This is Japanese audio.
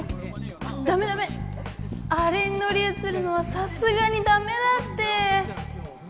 あれに乗り移るのはさすがにダメだって。